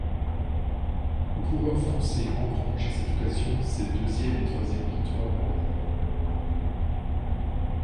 Le coureur français engrange à cette occasion ses deuxième et troisième victoires de l'année.